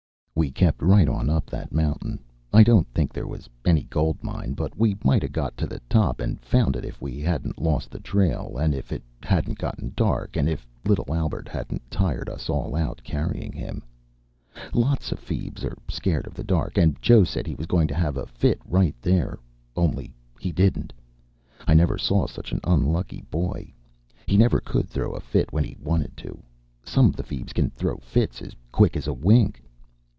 We kept right on up that mountain. I don't think there was any gold mine, but we might 'a' got to the top and found it, if we hadn't lost the trail, and if it hadn't got dark, and if little Albert hadn't tired us all out carrying him. Lots of feebs are scared of the dark, and Joe said he was going to have a fit right there. Only he didn't. I never saw such an unlucky boy. He never could throw a fit when he wanted to. Some of the feebs can throw fits as quick as a wink.